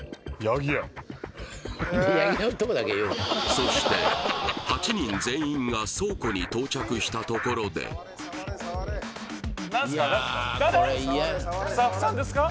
そして８人全員が倉庫に到着したところでスタッフさん？